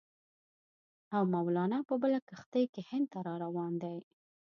او مولنا په بله کښتۍ کې هند ته را روان دی.